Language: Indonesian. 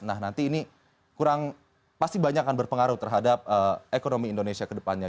nah nanti ini kurang pasti banyak akan berpengaruh terhadap ekonomi indonesia ke depannya